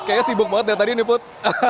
kayaknya sibuk banget ya tadi nih put